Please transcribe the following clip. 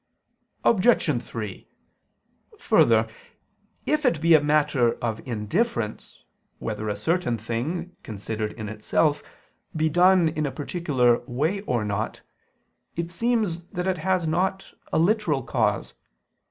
Obj. 3: Further, if it be a matter of indifference whether a certain thing, considered in itself, be done in a particular way or not, it seems that it has not a literal cause.